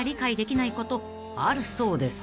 ［あるそうです］